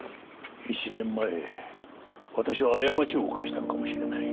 １年前私は過ちを犯したのかもしれない。